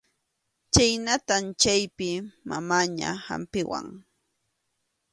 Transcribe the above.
Chhaynatam chaypi mamaña hampiwan.